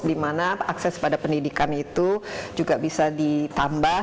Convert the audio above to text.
dimana akses pada pendidikan itu juga bisa ditambah